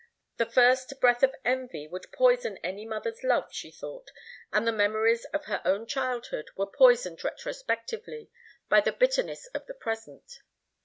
The first breath of envy would poison any mother's love she thought, and the memories of her own childhood were poisoned retrospectively by the bitterness of the present.